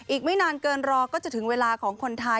อีกไม่นานเกินรอก็จะถึงเวลาของคนไทย